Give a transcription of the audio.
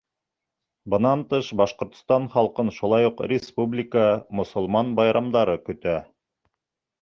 Бынан тыш, Башҡортостан халҡын шулай уҡ республика, мосолман байрамдары көтә.